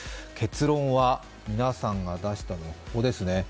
結論は皆さんが出したのはここですね。